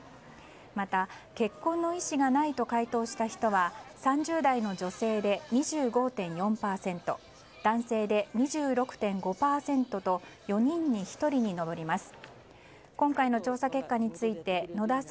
また、結婚の意思がないと回答した人は３０代の女性で２５．４％男性で２６．５％と４人に１人に上ります。